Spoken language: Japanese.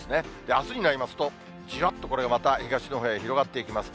あすになりますと、じわっとこれがまた東のほうへ広がっていきます。